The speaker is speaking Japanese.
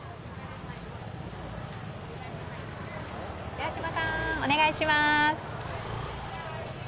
寺島さん、お願いします。